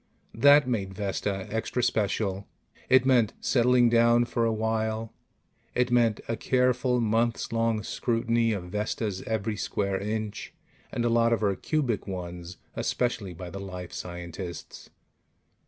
That made Vesta extra special. It meant settling down for a while. It meant a careful, months long scrutiny of Vesta's every square inch and a lot of her cubic ones, especially by the life scientists.